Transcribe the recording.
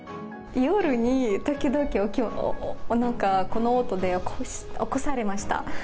夜に時々なんか、この音で起こされました。